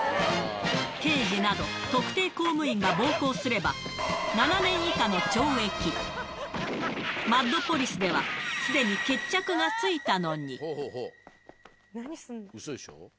刑事など、特定公務員が暴行すれば、７年以下の懲役。マッドポリスでは、すでに決着がついたのに。